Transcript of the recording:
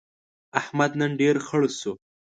احمد نن ډېر خړ شو.